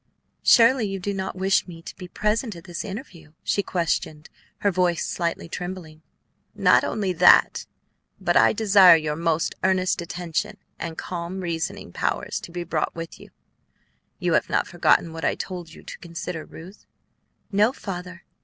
"Surely you do not wish me to be present at this interview?" she questioned, her voice slightly trembling. "Not only that, but I desire your most earnest attention and calm reasoning powers to be brought with you. You have not forgotten what I told you to consider, Ruth?" "No, Father."